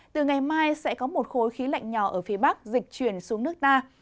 từ ngày mai sẽ có một khối khí lạnh nhỏ ở phía bắc dịch chuyển xuống nước ta